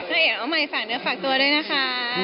เอกน้องใหม่ฝากเนื้อฝากตัวด้วยนะคะ